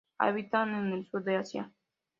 Habitan en el sur de Asia.